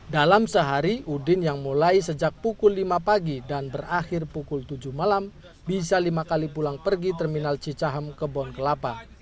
dalam sehari udin yang mulai sejak pukul lima pagi dan berakhir pukul tujuh malam bisa lima kali pulang pergi terminal cicahem ke bonkelapa